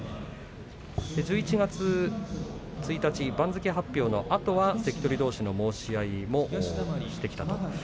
１１月１日、番付発表のあとは関取どうしの申し合いもしてきた。